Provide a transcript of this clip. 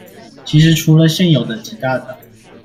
其實除了現有的幾大黨